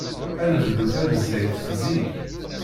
Ad nebdu tanezzayt zik.